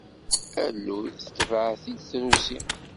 Alluy tetbeɛ-it trusi.